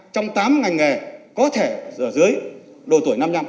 trong tám ngành nghề có thể dở dưới độ tuổi năm năm